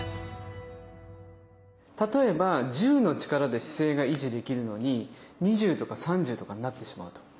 例えば１０の力で姿勢が維持できるのに２０とか３０とかになってしまうと。